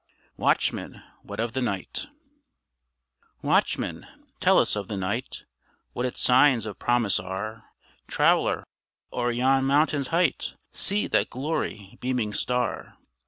WATCHMAN! WHAT OF THE NIGHT? Watchman! tell us of the night, What its signs of promise are: Traveler! o'er yon mountain's height See that glory beaming star!